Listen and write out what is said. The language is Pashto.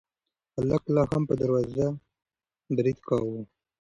هلک لا هم په دروازه برید کاوه.